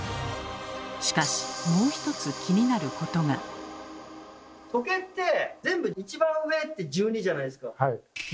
しかしもう一つ時計って全部一番上って「１２」じゃないですか。